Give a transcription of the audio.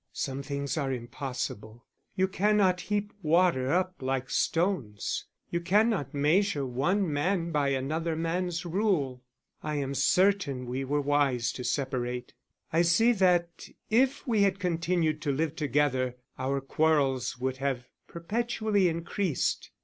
Some things are impossible; you cannot heap water up like stones, you cannot measure one man by another man's rule. I am certain we were wise to separate. I see that if we had continued to live together our quarrels would have perpetually increased.